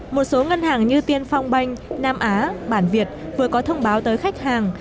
một số ngân hàng như tiên phong banh nam á bản việt vừa có thông báo tới khách hàng